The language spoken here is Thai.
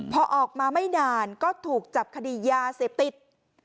พอออกมาไม่นานก็ถูกจับคดียาเสพติด